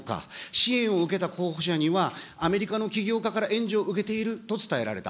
支援を受けた候補者には、アメリカの起業家から援助を受けていると伝えられた。